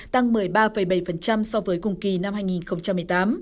tăng một mươi ba bảy so với cùng kỳ năm hai nghìn một mươi tám